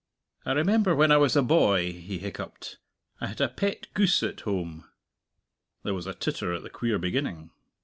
"I remember when I was a boy," he hiccupped, "I had a pet goose at home." There was a titter at the queer beginning.